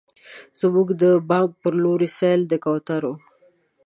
زموږ د بام په لورې، سیل د کوترو